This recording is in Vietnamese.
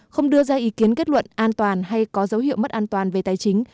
không đưa ra ý kiến kết luận an toàn hay có dấu hiệu mất an toàn về tài chính